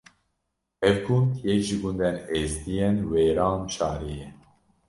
Ev gund yek ji gundên êzîdiyên Wêranşarê ye.